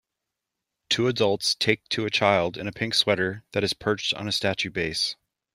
Two adults take to a child in a pink sweater that is perched on a statue base.